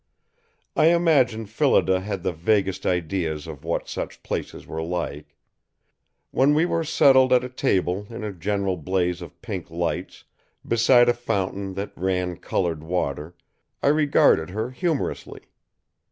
I imagine Phillida had the vaguest ideas of what such places were like. When we were settled at a table in a general blaze of pink lights, beside a fountain that ran colored water, I regarded her humorously.